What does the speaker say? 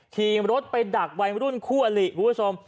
ขี่รถไปดักวัยรุ่นคู่อลิคุณผู้ชม